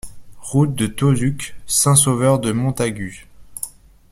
Route de Tauzuc, Saint-Sauveur-de-Montagut